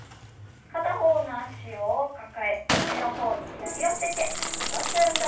片方の脚を抱え胸の方に引き寄せて戻す運動です。